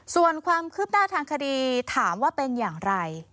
ส่วนความคืบหน้าทางคดีถามว่าเป็นอย่างไร